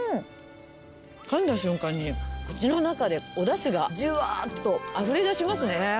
かんだ瞬間に口の中でおだしがじゅわーとあふれ出しますね。